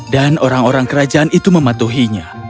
dan orang orang kerajaan itu mematuhinya